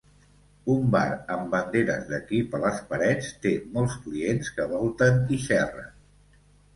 Un bar amb banderes d'equip a les parets té molts clients que volten i xerren.